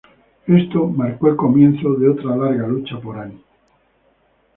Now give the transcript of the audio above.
Esto marcó el comienzo de otra larga lucha por Ani.